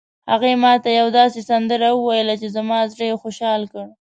هغې ما ته یوه داسې سندره وویله چې زما زړه یې خوشحال کړ